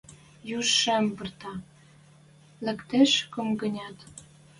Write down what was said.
Южшым пырта, лыктеш кӱм-гӹнят.